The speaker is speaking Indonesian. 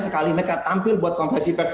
sekali mereka tampil buat konversi pers